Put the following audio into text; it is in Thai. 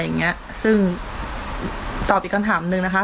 ซึ่งซึ่งตอบอีกคำถามนึงนะคะ